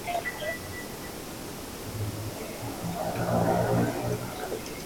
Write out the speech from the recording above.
Por lo general es celebrado en clubes nocturnos gay de todo el país.